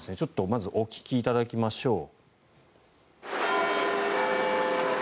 まずお聞きいただきましょう。